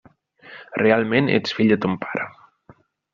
Realment ets fill de ton pare.